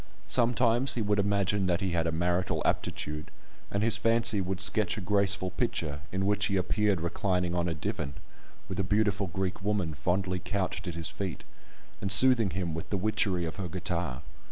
Sometimes he would imagine that he had a marital aptitude, and his fancy would sketch a graceful picture, in which he appeared reclining on a divan, with a beautiful Greek woman fondly couched at his feet, and soothing him with the witchery of her guitar.